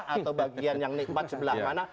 atau bagian yang nikmat sebelah mana